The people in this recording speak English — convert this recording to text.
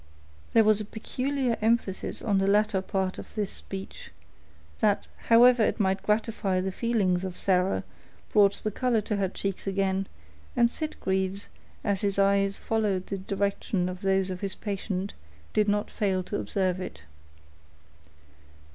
There was a peculiar emphasis on the latter part of this speech, that, however it might gratify the feelings of Sarah, brought the color to her cheeks again; and Sitgreaves, as his eye followed the direction of those of his patient, did not fail to observe it.